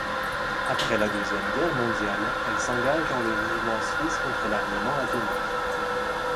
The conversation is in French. Après la Deuxième Guerre mondiale, elle s'engage dans le Mouvement suisse contre l'armement atomique.